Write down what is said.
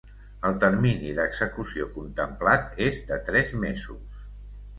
El termini d’execució contemplat és de tres mesos.